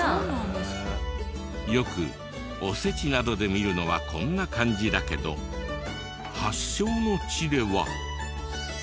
よくおせちなどで見るのはこんな感じだけど発祥の地では。